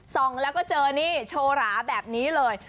แล้วก็เจอนี่โชว์หราแบบนี้เลย